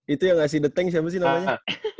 itu yang ngasih the tank siapa sih namanya